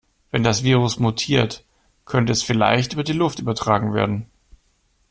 Wenn das Virus mutiert, könnte es vielleicht über die Luft übertragen werden.